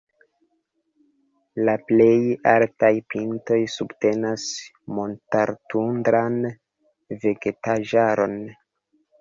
La plej altaj pintoj subtenas montar-tundran vegetaĵaron.